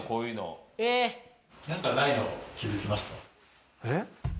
何かないの気づきました？